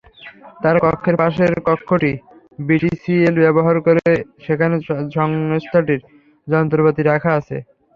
তাঁর কক্ষের পাশের কক্ষটি বিটিসিএল ব্যবহার করে, যেখানে সংস্থাটির যন্ত্রপাতি রাখা আছে।